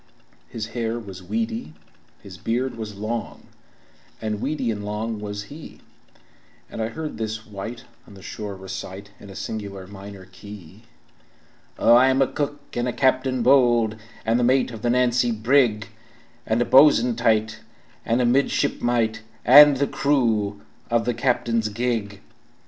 His hair was weedy, his beard was long, And weedy and long was he, And I heard this wight on the shore recite, In a singular minor key: "Oh, I am a cook and a captain bold, And the mate of the Nancy brig, And a bo'sun tight, and a midshipmite, And the crew of the captain's gig."